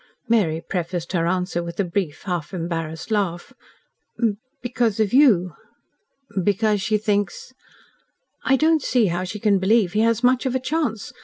Mary prefaced her answer with a brief, half embarrassed laugh. "Because of YOU." "Because she thinks ?" "I don't see how she can believe he has much of a chance.